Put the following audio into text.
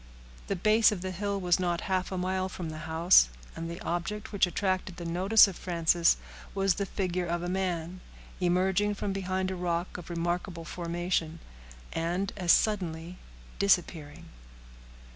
The base of the hill was not half a mile from the house, and the object which attracted the notice of Frances was the figure of a man emerging from behind a rock of remarkable formation, and as suddenly disappearing.